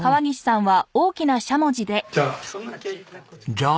じゃあ。